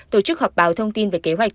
tổ chức họp báo thông tin về kế hoạch